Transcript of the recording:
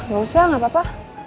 ga usah gapapa